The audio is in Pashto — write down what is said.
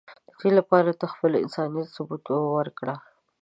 د دی لپاره ته د خپل انسانیت ثبوت ورکړه.